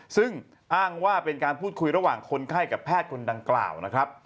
ซึ่งอ้างว่าเป็นการพูดคุยระหว่างคนไข้กับแพทย์คนดังกล่าวนะครับ